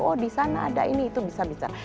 oh di sana ada ini itu bisa bicara